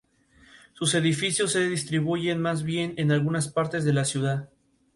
Es tradicional en la iglesia de San Juan.